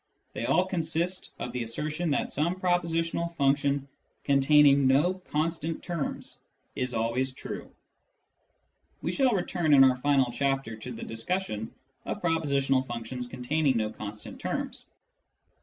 they all consist of the assertion that some propositional function con taining no constant terms is always true. We shall return in our final chapter to the discussion of propositional functions containing no constant terms.